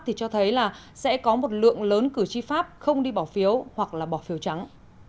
thì cho thấy là sẽ có một lượng lớn cử tri pháp không đi bỏ phiếu hoặc là bỏ phiếu trắng